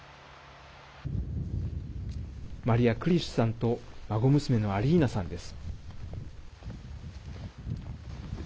マリア・クリシュさんと孫娘のアリーナさんです。